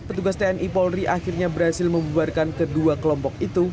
petugas tni polri akhirnya berhasil membuarkan kedua kelompok itu